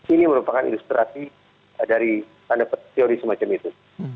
ini merupakan ilustrasi dari pandangan teori semacam itu